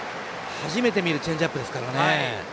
初めて見るチェンジアップですから。